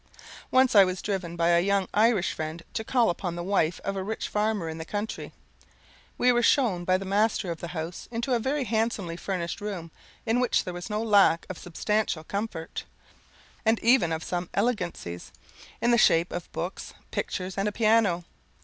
Once I was driven by a young Irish friend to call upon the wife of a rich farmer in the country. We were shewn by the master of the house into a very handsomely furnished room, in which there was no lack of substantial comfort, and even of some elegancies, in the shape of books, pictures, and a piano.